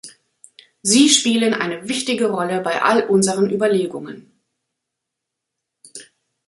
Sie spielen eine wichtige Rolle bei all unseren Überlegungen.